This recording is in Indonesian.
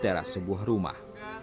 di teras sebuah rumah